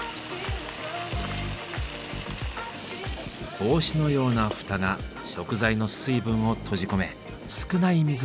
帽子のような蓋が食材の水分を閉じ込め少ない水で調理ができる。